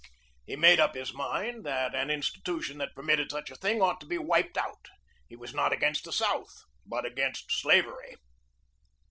He made up his mind that an institution that permitted such a thing ought to be wiped out. He was not against the South, but against slavery.